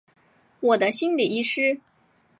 我的心理医师